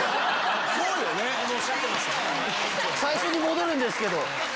最初に戻るんですけど。